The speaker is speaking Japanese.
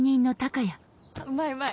うまいうまい。